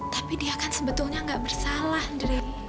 tapi dia kan sebetulnya nggak bersalah andre